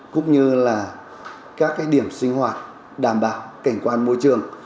cũng như là các điểm sinh hoạt đảm bảo cảnh quan môi trường